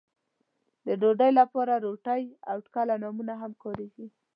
د ډوډۍ لپاره روټۍ او ټکله نومونه هم کاريږي.